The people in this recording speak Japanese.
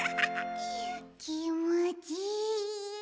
きもちいい。